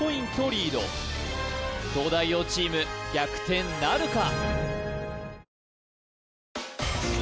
リード東大王チーム逆転なるか？